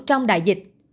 trong đại dịch